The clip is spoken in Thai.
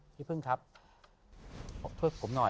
พี่พึงครับแท้ขอบคุณหน่อย